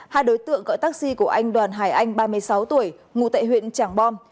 hai đối tượng gọi taxi của anh đoàn hải anh ba mươi sáu tuổi ngủ tại huyện tràng bom